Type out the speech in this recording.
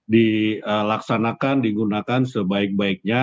dilaksanakan digunakan sebaik baiknya